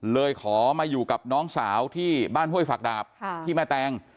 เลยขอมาอยู่กับน้องสาวที่บ้านห้วยฝักดาบที่แม่แตง